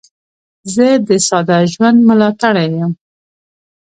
زه د ساده ژوند ملاتړی یم.